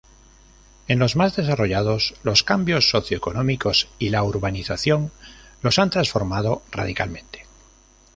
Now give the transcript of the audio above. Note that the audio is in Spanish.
En los más desarrollados, los cambios socioeconómicos y la urbanización los han transformado radicalmente.